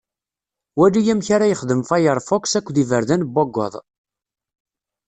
Wali amek ara yexdem Firefox akked iberdan n wawwaḍ